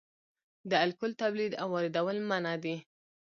د الکول تولید او واردول منع دي